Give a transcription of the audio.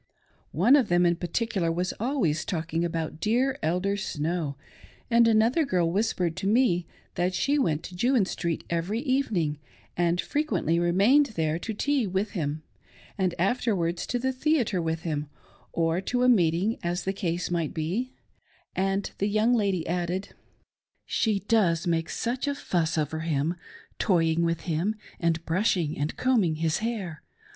One of them in particular was always talking about dear Elder Snow; and another girl whispered to me that she went to Jewin Street every evening, and frequently remained there to tea with him, and went afterwards to the theatre with him, or to a meeting, as the case might be; and, the young lady added, " She does make such a fuss over him, toying with him and brushing and combing his hair.